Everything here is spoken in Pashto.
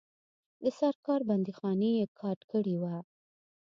د سرکار بندیخانې یې کاټ کړي وه.